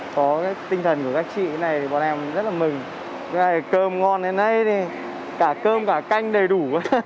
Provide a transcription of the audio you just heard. có tinh thần của các chị thì bọn em rất là mừng cơm ngon đến đây cả cơm cả canh đầy đủ